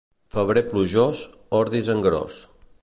Febrer plujós, ordis en gros.